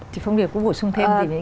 thì phong điều cũng bổ sung thêm gì đấy